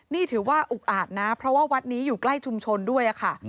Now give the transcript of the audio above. นี่ถือว่าอุกอาจนะเพราะว่าวัดนี้อยู่ใกล้ชุมชนด้วยค่ะ